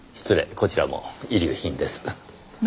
こちらも遺留品です。